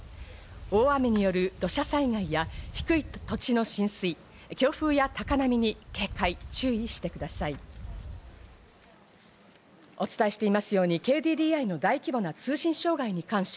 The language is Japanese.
大雨による土砂災害や低い土地の浸水、強風や高波に警戒、注意してください。